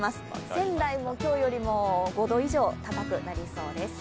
仙台も今日よりも５度以上高くなりそうです。